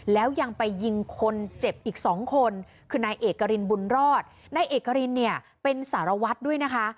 แล้วยังไปยิงคนเจ็บอีกสองคนคือนายเอกรินบุญรอดนายเอกรินเนี่ยเป็นสารวัตรด้วยนะคะ